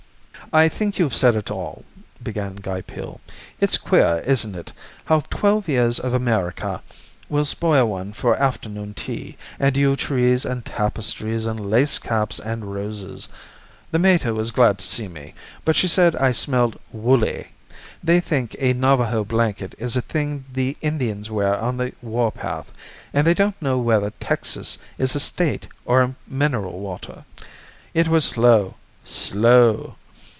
"I think you've said it all," began Guy Peel. "It's queer, isn't it, how twelve years of America will spoil one for afternoon tea, and yew trees, and tapestries, and lace caps, and roses. The mater was glad to see me, but she said I smelled woolly. They think a Navajo blanket is a thing the Indians wear on the war path, and they don't know whether Texas is a state, or a mineral water. It was slow slow.